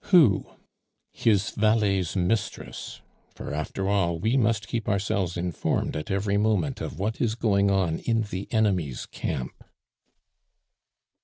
"Who?" "His valet's mistress; for, after all, we must keep ourselves informed at every moment of what is going on in the enemy's camp."